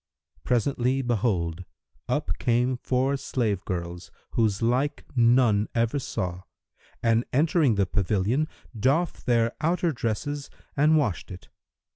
Presently behold, up came four slave girls, whose like none ever saw, and entering the pavilion, doffed their outer dresses and washed it.